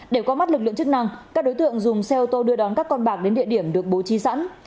để qua mắt lực lượng chức năng các đối tượng dùng xe ô tô đưa đón các con bạc đến địa điểm được bố trí sẵn